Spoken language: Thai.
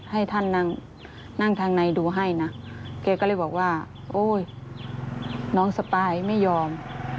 ให้ท่านนั่งทางในดูให้นะแกก็เลยบอกว่าโอ๊ยน้องสปายไม่ยอม